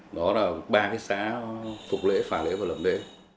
đó là ba cái xã phục lễ phả lễ và lập lễ